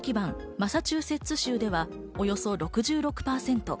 ・マサチューセッツ州ではおよそ６６％。